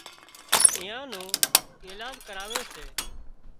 ايئان نو ايلاز ڪراوي سي